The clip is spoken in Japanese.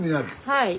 はい。